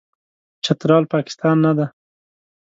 چترال، پاکستان نه دی.